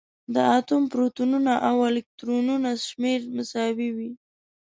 د اتوم پروتونونه او الکترونونه شمېر مساوي وي.